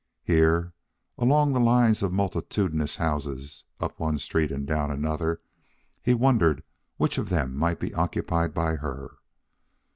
Here, along the lines of multitudinous houses, up one street and down another, he wondered which of them might be occupied by her.